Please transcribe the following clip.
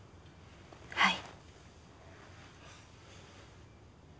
はい。